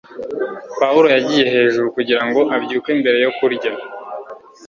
Pawulo yagiye hejuru kugirango abyuke mbere yo kurya